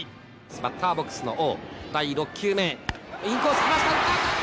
バッターボックスの王、第６球目、インコース来ました、打った。